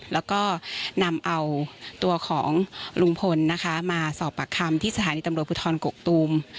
แล้วก็นำเอาตัวของลุงพลนะคะมาสอบปากคำที่สถานีตำรวจภูทรกกตูม